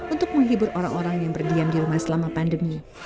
untuk menghibur orang orang yang berdiam di rumah selama pandemi